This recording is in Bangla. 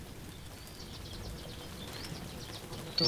দুজনের শারীরিক অবস্থার বর্ণনা দিয়ে আত্মীয়দের দ্রুত মহাখালী আসতে বলা হয়।